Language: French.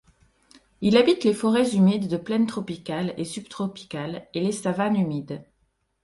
Il habite les forêts humides de plaine tropicales et subtropicales et les savanes humides.